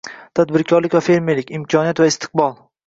Tadbirkorlik va fermerlik: imkoniyat va istiqbol